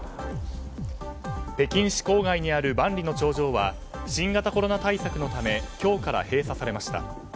北京市郊外にある万里の長城は新型コロナ対策のため今日から閉鎖されました。